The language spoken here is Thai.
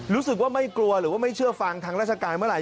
รู้สึกว่าไม่กลัวหรือว่าไม่เชื่อฟังทางราชการเมื่อไห